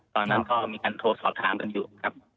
ตอนนั้นก็มีการโทรสอบถามกันอยู่ครับ